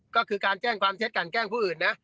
ก็คือการแจ้งความเท็จกันแกล้งผู้อื่นนะ